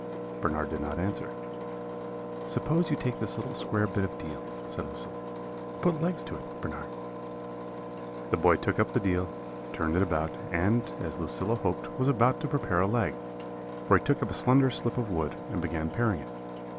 "Bernard did not answer. "'Suppose you take this little square bit of deal,' said Lucilla, 'and put legs to it, Bernard?' "The boy took up the deal, turned it about, and, as Lucilla hoped, was about to prepare a leg; for he took up a slender slip of wood, and began paring it.